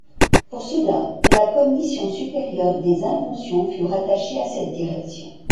Pour cela, la Commission supérieure des inventions fut rattachée à cette direction.